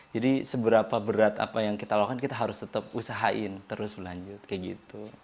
jadi seberapa berat apa yang kita lakukan kita harus tetap usahain terus lanjut kayak gitu